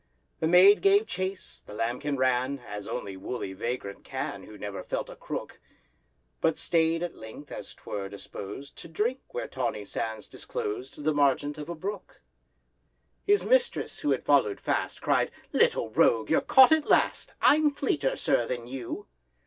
The maid gave chase, the lambkin ran, As only woolly vagrant can, Who never felt a crook; But stay'd at length, as 'twere disposed To drink, where tawny sands disclosed The margent of a brook. His mistress, who had follow'd fast, Cried, "Little rogue, you're caught at last; I'm fleeter, Sir, than you."